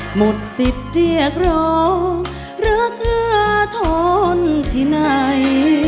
หมดสิบเรียกรองรักเผื่อทนที่ใน